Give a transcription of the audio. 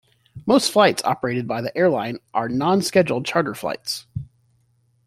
Most flights operated by the airline are non-scheduled charter flights.